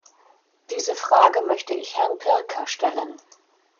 Diese Frage möchte ich Herrn Pirker stellen.